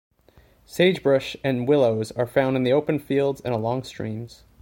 Sagebrush and willows are found in the open fields and along streams.